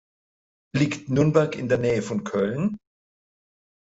Liegt Nürnberg in der Nähe von Köln?